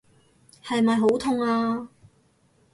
係咪好痛啊？